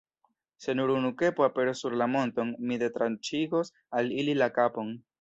Se nur unu kepo aperos sur la monton, mi detranĉigos al ili la kapon.